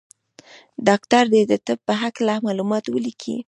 ډاکټر دي د طب په هکله معلومات ولیکي.